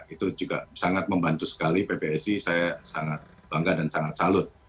itu juga sangat membantu sekali pbsi saya sangat bangga dan sangat salut